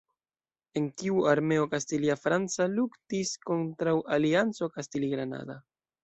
En tiu, armeo kastilia-franca luktis kontraŭ alianco kastili-granada.